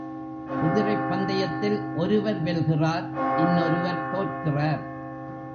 குதிரைப் பந்தயத்தில் ஒருவர் வெல்கிறார் இன்னொருவர் தோற்கிறார்.